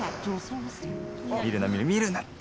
見るな見るな見るなって！